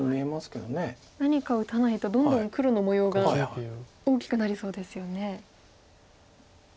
何か打たないとどんどん黒の模様が大きくなりそうですよね。